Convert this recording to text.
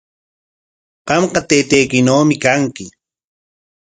Qamqa taytaykinawmi kanki.